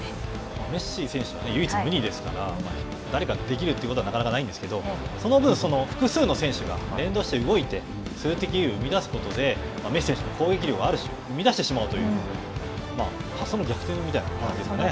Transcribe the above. メッシ選手は唯一無二ですから、誰かできるってことはなかなかないんですけどその分、複数の選手が連動して動いて数的優位を生み出すことで、メッシ選手の攻撃力を生み出してしまおうという、発想の逆転みたいなことですね。